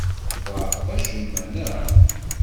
Tḍeεfeḍ acemma, neɣ?